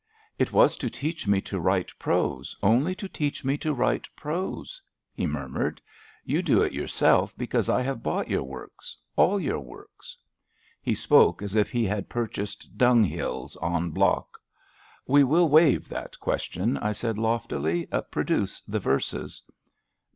'It was to teach me to write prose, only to teach me to write prose,*' he murmured. You do it yourself, because I have bought your works — all your works.*' He spoke as if he had purchased dunghills en bloc. We will waive that question,*' I said loftily. Produce the verses.